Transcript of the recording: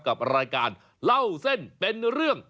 กับรายการเล่าเส้นเป็นเรื่อง